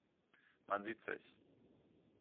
Man sieht sich.